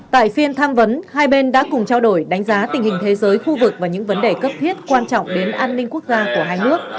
tại phiên tham vấn hai bên đã cùng trao đổi đánh giá tình hình thế giới khu vực và những vấn đề cấp thiết quan trọng đến an ninh quốc gia của hai nước